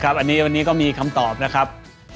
วันนี้ก็มีคำตอบนะครับ